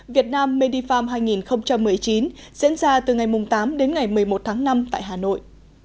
việt nam medifarm hai nghìn một mươi chín diễn ra từ ngày tám đến ngày một mươi một tháng năm tại hà nội